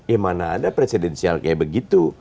eh mana ada presidensial kayak begitu